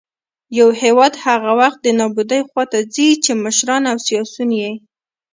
يـو هـېواد هـغه وخـت د نـابـودۍ خـواتـه ځـي ،چـې مـشران او سـياسيون يـې